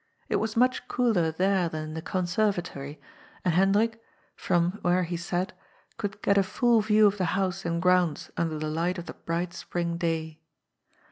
It was much cooler there than in the conserratory, and Hendrik, from where he sat, could get a full yiew of the house and grounds under the light of the bright spring day.